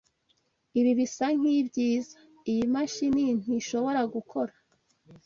Ibi bisa nkibyiza. Iyi mashini ntishobora gukora.